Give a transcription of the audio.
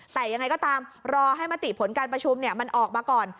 แต่ยังไงก็ตามรอให้มติผลการประชุมมันออกมาก่อน